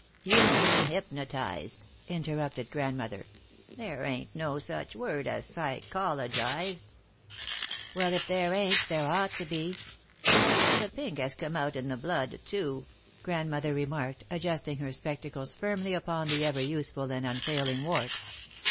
"You mean hypnotised," interrupted Grandmother. "There ain't no such word as 'psychologised.'" [Sidenote: Resentment] "Well, if there ain't, there ought to be." "The pink has come out in the blood, too," Grandmother remarked, adjusting her spectacles firmly upon the ever useful and unfailing wart.